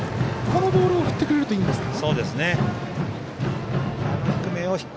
このボールを振ってくれるといいんですか。